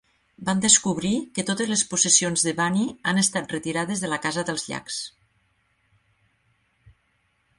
Van descobrir que totes les possessions de Bunny han estat retirades de la casa dels Llacs.